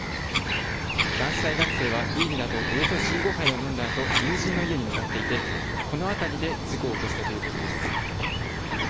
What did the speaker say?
男子大学生はビールなどおよそ１５杯を飲んだあと友人の家に向かっていてこの辺りで事故を起こしたということです。